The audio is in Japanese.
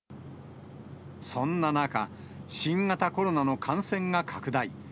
そんな中、新型コロナの感染が拡大。